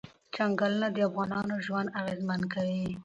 چنګلونه د افغانانو ژوند اغېزمن کوي.